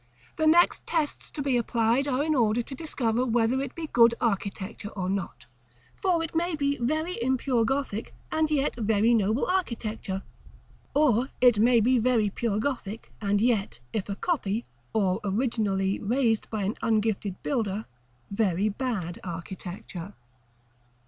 The next tests to be applied are in order to discover whether it be good architecture or not: for it may be very impure Gothic, and yet very noble architecture; or it may be very pure Gothic, and yet, if a copy, or originally raised by an ungifted builder, very bad architecture.